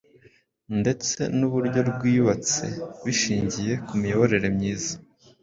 ndetse n’uburyo rwiyubatse bishingiye ku miyoborere myiza.